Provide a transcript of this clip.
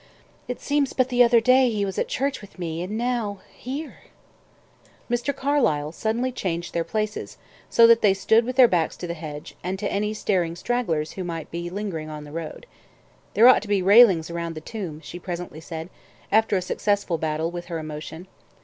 "It seems but the other day he was at church with me, and now here!" Mr. Carlyle suddenly changed their places, so that they stood with their backs to the hedge, and to any staring stragglers who might be lingering on the road. "There ought to be railings round the tomb," she presently said, after a successful battle with her emotion.